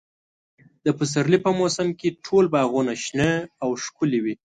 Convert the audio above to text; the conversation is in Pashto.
د پسرلي په موسم کې ټول باغونه شنه او ښکلي وي.